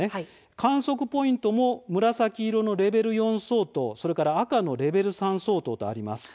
観測ポイントも紫色のレベル４相当赤のレベル３相当があります。